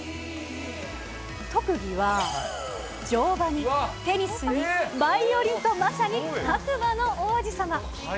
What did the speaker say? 特技は乗馬にテニスにバイオリンと、まさに白馬の王子様。